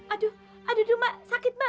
aduh aduh dulu mbak sakit mbak